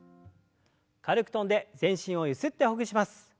軽く跳んで全身をゆすってほぐします。